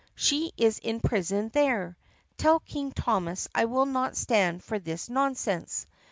She is in prison there. Tell King Thomas I will not stand for this nonsense!